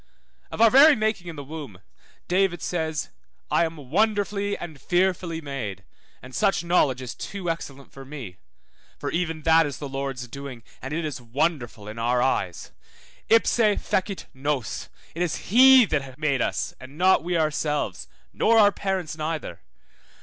Of our very making in the womb, David says, I am wonderfully and fearfully made, and such knowledge is too excellent for me, 11 Psalm 139:6. for even that is the Lord's doing, and it is wonderful in our eyes; 22 Psalm 118:23 ipse fecit nos, it is he that made us, and not we ourselves, 33 Psalm 100:3. nor our parents neither.